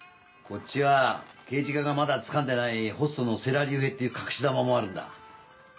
こっちは刑事課がまだつかんでないホストの世良隆平っていう隠し玉もあるんだ。